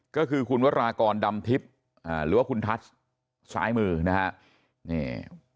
ก็คือคุณวรากรดำทิพย์หรือว่าคุณทัศน์ซ้ายมือนะฮะนี่